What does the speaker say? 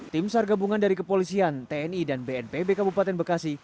tim sar gabungan dari kepolisian tni dan bnpb kabupaten bekasi